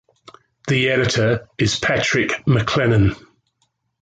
The Editor is Patrick McLennan.